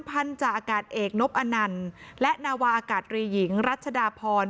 พันธาอากาศเอกนบอนันต์และนาวาอากาศรีหญิงรัชดาพร